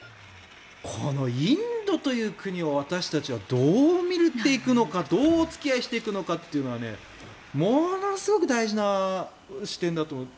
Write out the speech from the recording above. このインドという国を私たちはどう見ていくのかどうお付き合いしていくのかというのはものすごく大事な視点だと思う。